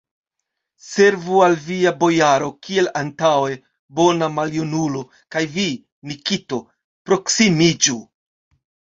Servu al via bojaro, kiel antaŭe, bona maljunulo, kaj vi, Nikito, proksimiĝu!